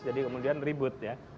jadi kemudian ribut